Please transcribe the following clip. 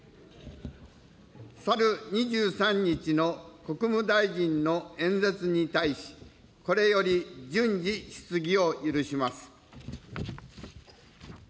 さる２３日の国務大臣の演説に対し、これより順次、質疑を許します。